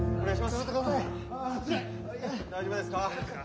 大丈夫ですか。